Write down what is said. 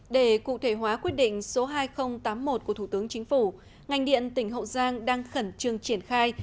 để cụ thể hóa quyết định số hai nghìn tám mươi một của thủ tướng chính phủ ngành điện tỉnh hậu giang đang khẩn trương triển khai